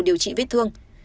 điều trị vết thương